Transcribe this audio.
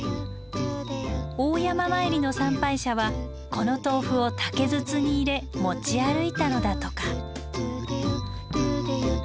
大山詣りの参拝者はこの豆腐を竹筒に入れ持ち歩いたのだとか。